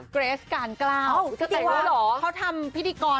เกรทกาลกล้าวเขาทำพิมพ์พิธีกร